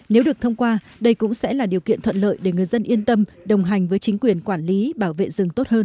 nếu được thông qua đây cũng sẽ là điều kiện thuận lợi để người dân yên tâm đồng hành với chính quyền quản lý bảo vệ rừng tốt hơn